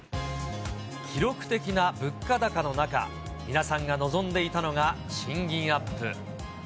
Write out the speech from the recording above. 記録的な物価高の中、皆さんが望んでいたのが賃金アップ。